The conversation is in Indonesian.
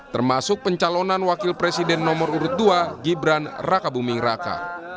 termasuk pencalonan wakil presiden nomor urut dua gibran raka buming raka